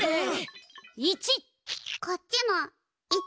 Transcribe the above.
こっちも１！